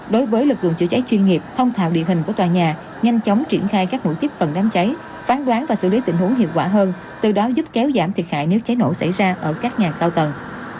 để giúp tình huống hiệu quả hơn từ đó giúp kéo giảm thiệt hại nếu cháy nổ xảy ra ở các nhà cao tầng